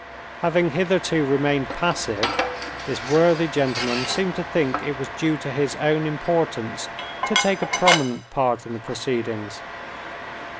Having hitherto remained passive, this worthy gentleman seemed to think it was due to his own importance to take a prominent part in the proceedings.